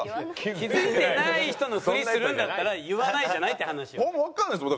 気づいてない人のフリするんだったら言わないじゃないって話よ。